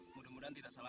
mudah mudahan tidak sampai